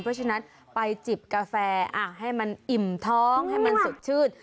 เพราะฉะนั้นไปจิบกาแฟให้มันอิ่มท้องให้มันสดชื่น